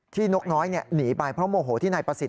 นกน้อยหนีไปเพราะโมโหที่นายประสิทธิ